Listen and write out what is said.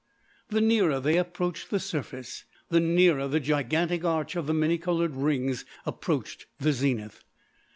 The nearer they approached the surface, the nearer the gigantic arch of the many coloured rings approached the zenith.